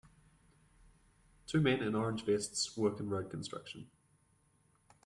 Two men in orange vests work in road construction